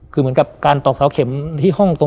คือเหมือนกับการตอกเสาเข็มที่ห้องตรง